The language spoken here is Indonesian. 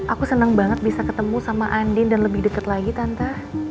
aku seneng banget bisa ketemu sama andien dan lebih deket lagi tante